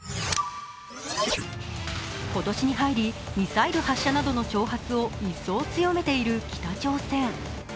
今年に入りミサイル発射などの挑発を一層強めている北朝鮮。